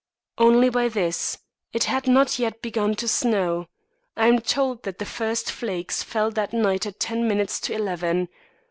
"Only by this it had not yet begun to snow. I'm told that the first flakes fell that night at ten minutes to eleven.